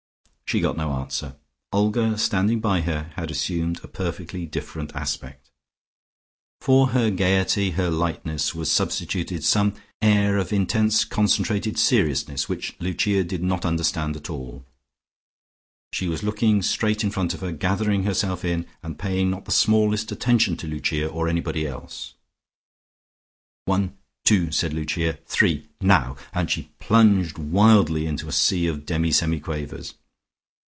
She got no answer. Olga standing by her, had assumed a perfectly different aspect. For her gaiety, her lightness was substituted some air of intense concentrated seriousness which Lucia did not understand at all. She was looking straight in front of her, gathering herself in, and paying not the smallest attention to Lucia or anybody else. "One, two," said Lucia. "Three. Now," and she plunged wildly into a sea of demi semi quavers.